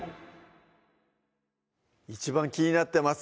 一番気になってます